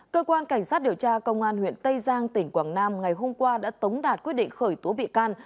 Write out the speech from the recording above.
cơ quan cảnh sát điều tra công an huyện tây giang tỉnh quảng nam ngày hôm qua đã tống đạt quyết định khởi tố bị can